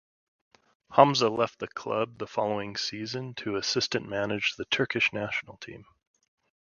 Hamza left the club the following season to assistant manage the Turkish national team.